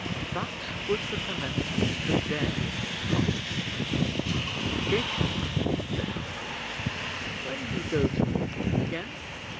Such was the commencement of the dairy at the cottage. "Jacob," said Humphrey, "when do you go to Lymington again?"